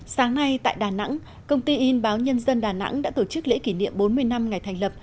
sáng nay tại đà nẵng công ty in báo nhân dân đà nẵng đã tổ chức lễ kỷ niệm bốn mươi năm ngày thành lập